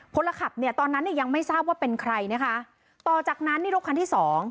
คนขับเนี่ยตอนนั้นเนี่ยยังไม่ทราบว่าเป็นใครนะคะต่อจากนั้นนี่รถคันที่สอง